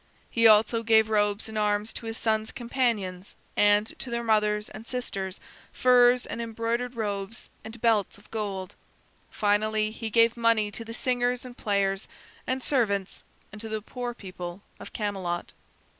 He also gave robes and arms to his son's companions, and, to their mothers and sisters, furs and embroidered robes, and belts of gold. Finally he gave money to the singers and players, and servants, and to the poor people of Camelot.